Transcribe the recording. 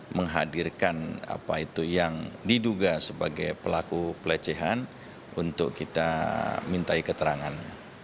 menghadirkan apa itu yang diduga sebagai pelaku pelecehan untuk kita minta keterangan